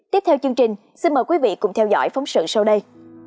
tiếp theo chương trình xin mời quý vị cùng theo dõi phóng sự sau đây